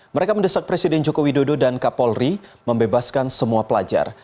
mereka mendesak presiden joko widodo dan kapolri membebaskan semua pelajar